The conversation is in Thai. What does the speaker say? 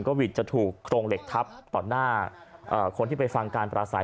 ก็วิทย์จะถูกโครงเหล็กทับต่อหน้าคนที่ไปฟังการปราศัย